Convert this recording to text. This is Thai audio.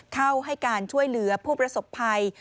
เข้าให้การช่วยเหลือผู้ประสบภัย